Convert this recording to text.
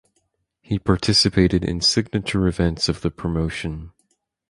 He participated in signature events of the promotion.